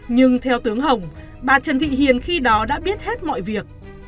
nhưng theo tướng hồng bà trần thị hiền khi đó đã biết hết mọi việc